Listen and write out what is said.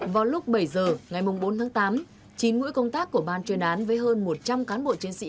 vào lúc bảy giờ ngày bốn tháng tám chín ngũi công tác của ban chuyên án với hơn một trăm linh cán bộ chiến sĩ